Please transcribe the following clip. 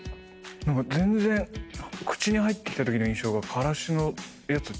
何か全然口に入ってきたときの印象がからしのやつと違いますね。